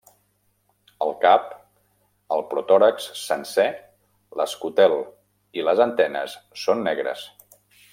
El cap, el protòrax sencer, l'escutel i les antenes són negres.